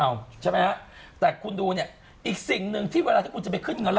เอาใช่ไหมฮะแต่คุณดูเนี่ยอีกสิ่งหนึ่งที่เวลาที่คุณจะไปขึ้นเงินแล้ว